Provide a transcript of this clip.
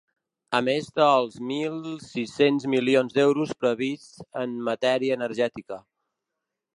A més dels mil sis-cents milions d’euros prevists en matèria energètica.